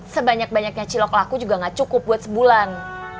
sebanyak banyaknya cilok laku juga gak cukup buat sebulan